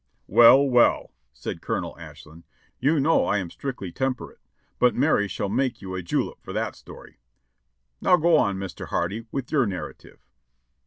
"Well, well" said Colonel Ashlin, "you know I am strictly tem perate, but Mary shall make you a julep for that story; now go on, Mr. Hardy, with your narrative."